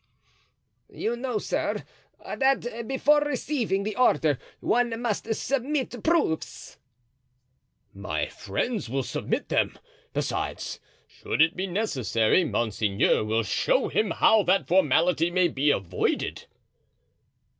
"You know, sir, that before receiving the order one must submit proofs." "My friends will submit them. Besides, should it be necessary, monseigneur will show him how that formality may be avoided."